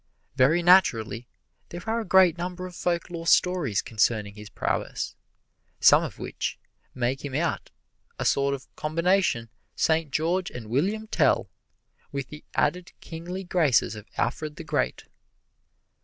Very naturally there are a great number of folklore stories concerning his prowess, some of which make him out a sort of combination Saint George and William Tell, with the added kingly graces of Alfred the Great.